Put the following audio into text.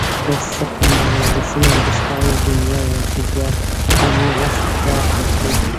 له سپتمبر یوولسمې وروسته دنیا یو ځل بیا هماغه استفراق راټول کړ.